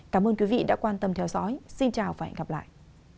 cảm ơn quý vị đã quan tâm theo dõi xin chào và hẹn gặp lại